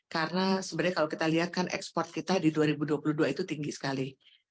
karena sebenarnya kalau kita lihat kan ekspor kita di dua ribu dua puluh dua itu tinggi sekali